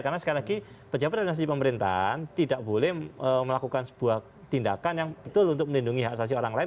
karena sekali lagi pejabat dan penyelidikan pemerintahan tidak boleh melakukan sebuah tindakan yang betul untuk melindungi hak asasi orang lain